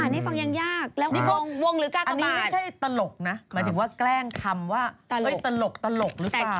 อันนี้ไม่ใช่ตลกนะหมายถึงแกล้งคำว่าตลกหรือเปล่า